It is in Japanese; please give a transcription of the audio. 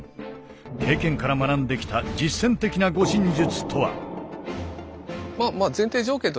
経験から学んできた実戦的な護身術とは？